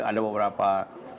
tapi mana kebetulan